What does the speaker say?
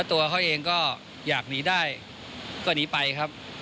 ตัวเขาเองก็อยากหนีได้ก็หนีไปครับ